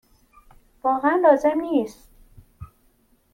واقعا لازم نیست.